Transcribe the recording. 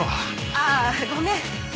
ああごめん。